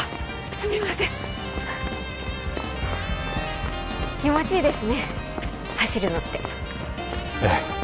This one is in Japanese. すみません気持ちいいですね走るのってええ